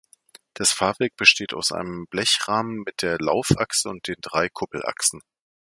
Das Fahrwerk besteht aus einem Blechrahmen mit der Laufachse und den drei Kuppelachsen.